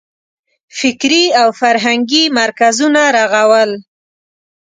فکري او فرهنګي مرکزونه رغول.